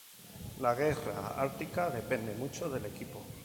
La guerra ártica depende mucho del equipo.